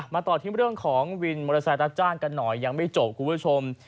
ต่อที่เรื่องของวินมอเตอร์ไซค์รับจ้างกันหน่อยยังไม่จบคุณผู้ชม